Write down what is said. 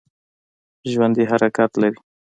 ژوندي حرکت لري